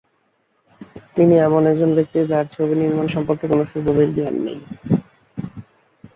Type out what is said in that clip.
তিনি এমন একজন ব্যক্তি যার ছবি-নির্মাণ সম্পর্কে কোনো সুগভীর জ্ঞান নেই।